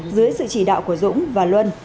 dưới sự chỉ đạo của dũng và luân